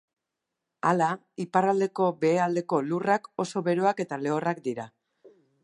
Hala, iparraldeko behealdeko lurrak oso beroak eta lehorrak dira.